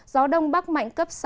gió đông bắc mạnh cấp sáu